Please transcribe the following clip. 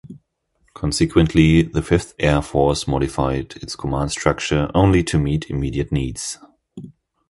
Consequently, the Fifth Air Force modified its command structure only to meet immediate needs.